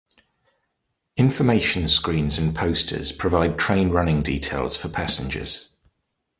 Information screens and posters provide train running details for passengers.